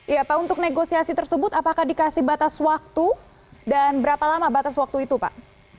iya pak untuk negosiasi tersebut apakah dikasih batas waktu dan berapa lama batas waktu itu pak